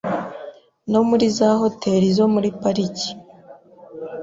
no muri za Hoteli zo muri Pariki